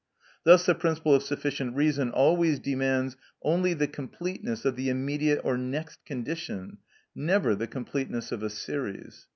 Thus the principle of sufficient reason always demands only the completeness of the immediate or next condition, never the completeness of a series.